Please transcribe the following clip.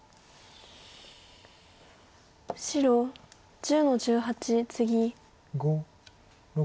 白１０の十八ツギ。